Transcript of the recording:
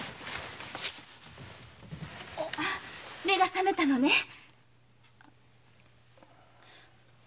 目が覚めたのね。